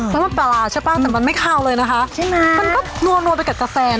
น้ำมันปลาร้าใช่ป่ะแต่มันไม่คาวเลยนะคะใช่ไหมมันก็นัวไปกับกาแฟ